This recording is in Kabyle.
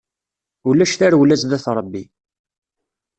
Ulac tarewla zdat Ṛebbi.